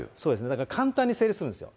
だから簡単に成立するんですよ。